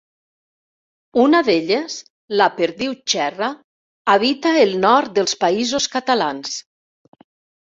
Una d'elles, la perdiu xerra, habita el nord dels Països Catalans.